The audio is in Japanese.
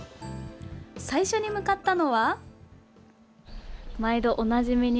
最初に向かったのは。